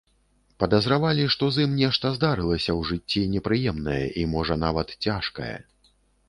Падазравалі, што з ім нешта здарылася ў жыцці непрыемнае і, можа, нават цяжкае.